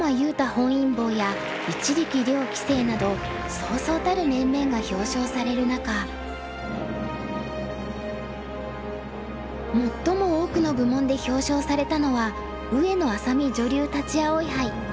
本因坊や一力遼棋聖などそうそうたる面々が表彰される中最も多くの部門で表彰されたのは上野愛咲美女流立葵杯。